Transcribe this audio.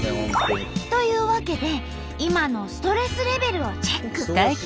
というわけで今のストレスレベルをチェック。